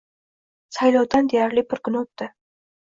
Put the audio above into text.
Saylovdan deyarli bir kun o'tdi